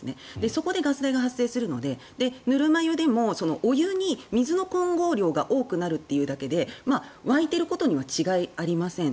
そこでガス代が発生するのでぬるま湯でもお湯に水の混合量が多くなるというだけで沸いていることには違いありません。